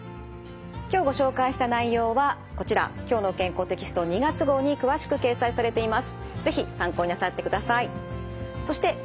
今日ご紹介した内容はこちら「きょうの健康」テキスト２月号に詳しく掲載されています。